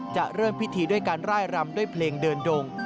จะเริ่มพิธีด้วยการร่ายรำด้วยเพลงเดินดง